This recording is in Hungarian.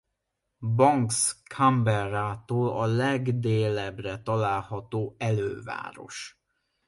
Banks Canberrától a legdélebbre található előváros.